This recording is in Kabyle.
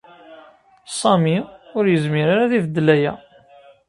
Sami ur yezmir ara ad ibeddel aya.